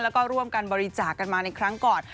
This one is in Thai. แล้วก็ร่วมกันบริจาคกันมาในครั้งก่อน